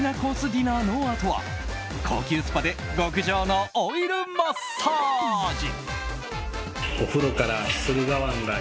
ディナーのあとは高級スパで極上のオイルマッサージ。